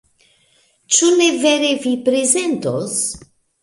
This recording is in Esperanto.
Ĉu ne vere, vi prezentos?